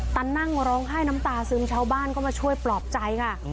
นั่งร้องไห้น้ำตาซึมชาวบ้านก็มาช่วยปลอบใจค่ะ